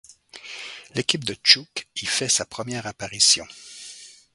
L'équipe de Chuuk y fait sa première apparition.